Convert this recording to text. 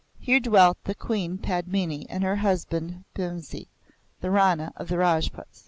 Here dwelt the Queen Padmini and her husband Bhimsi, the Rana of the Rajputs.